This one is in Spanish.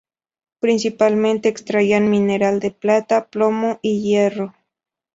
Principalmente extraían mineral de plata, plomo y hierro.